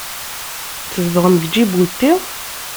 Tzedɣem deg Ǧibuti?